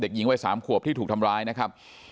หญิงวัย๓ขวบที่ถูกทำร้ายนะครับ